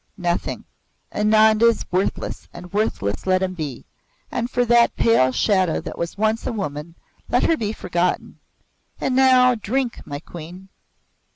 "Nothing. Ananda is worthless and worthless let him be! And for that pale shadow that was once a woman, let her be forgotten. And now, drink, my Queen!"